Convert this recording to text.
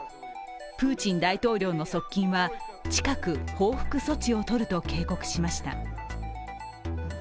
プーチン大統領の側近は近く、報復措置を取ると警告しました。